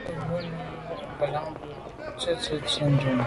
A num mbe num mo’ ngelan mbù bo busi tsho shune.